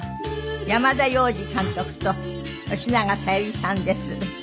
山田洋次監督と吉永小百合さんです。